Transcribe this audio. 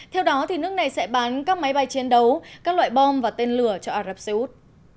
theo đó nước này sẽ bán các máy bay chiến đấu các loại bom và tên lửa cho ả rập xê út